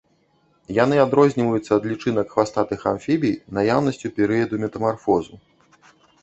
Яны адрозніваюцца ад лічынак хвастатых амфібій наяўнасцю перыяду метамарфозу.